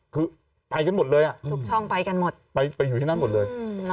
คือไปกันหมดเลยอ่ะทุกช่องไปกันหมดไปอยู่ที่นั่นหมดเลย